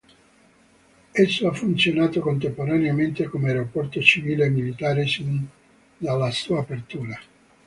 Esso ha funzionato contemporaneamente come aeroporto civile e militare sin dalla sua apertura.